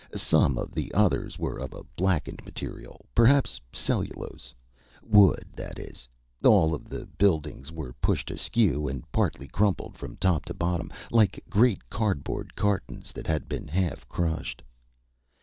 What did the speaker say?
Some of the others were of a blackened material perhaps cellulose. Wood, that is. All of the buildings were pushed askew, and partly crumpled from top to bottom, like great cardboard cartons that had been half crushed.